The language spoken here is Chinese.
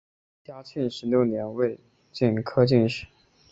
嘉庆十六年辛未科进士。